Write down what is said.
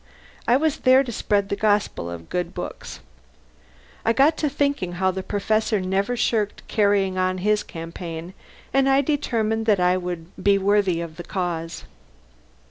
I was there to spread the gospel of good books. I got to thinking how the Professor never shirked carrying on his campaign, and I determined that I would be worthy of the cause.